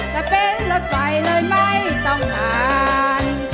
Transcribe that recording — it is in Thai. แต่เป็นรถไฟเลยไม่ต้องการ